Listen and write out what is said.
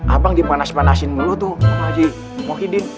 abang dipanas panasin mulu tuh sama haji mohideen